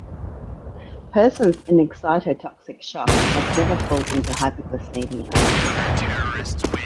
Persons in excitotoxic shock must never fall into hypoglycemia.